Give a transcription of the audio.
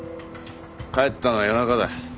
帰ったのは夜中だ。